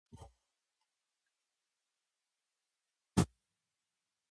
ダーリン